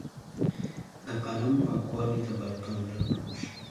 د قلم پاکوالۍ ته باید پاملرنه وشي.